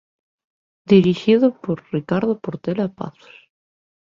Dirixido por Ricardo Portela Pazos.